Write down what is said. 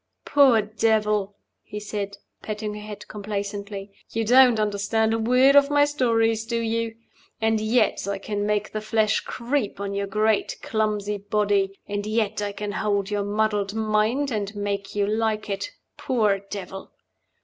"Poor devil!" he said, patting her head complacently. "You don't understand a word of my stories, do you? And yet I can make the flesh creep on your great clumsy body and yet I can hold your muddled mind, and make you like it. Poor devil!"